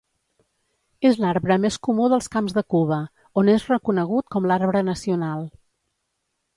És l'arbre més comú dels camps de Cuba, on és reconegut com l'arbre nacional.